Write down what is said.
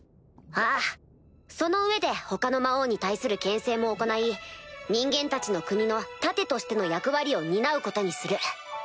ああその上で他の魔王に対する牽制も行い人間たちの国の盾としての役割を担うことにする。